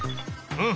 うん？